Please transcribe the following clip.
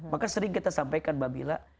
maka sering kita sampaikan mbak bila